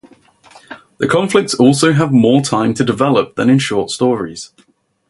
The conflicts also have more time to develop than in short stories.